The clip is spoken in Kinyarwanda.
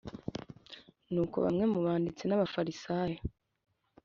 Nuko bamwe mu banditsi n Abafarisayo